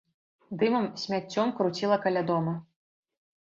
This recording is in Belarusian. Дымам, смяццём круціла каля дома.